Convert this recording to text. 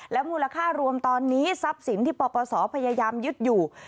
มูลค่ารวมตอนนี้ทรัพย์สินที่ปปศพยายามยึดอยู่